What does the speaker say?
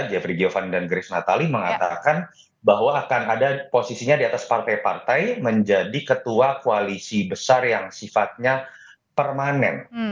jeffrey giovan dan grace natali mengatakan bahwa akan ada posisinya di atas partai partai menjadi ketua koalisi besar yang sifatnya permanen